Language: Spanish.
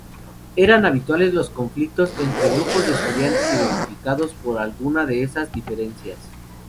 Eran habituales los conflictos entre grupos de estudiantes identificados por alguna de esas diferencias.